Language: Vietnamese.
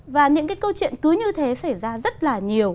và những cái câu chuyện cứ như thế xảy ra rất là nhiều